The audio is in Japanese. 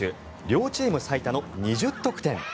両チーム最多の２０得点。